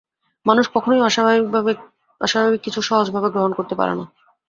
মানুষ কখনোই অস্বাভাবিক কিছু সহজভাবে গ্রহণ করতে পারে না।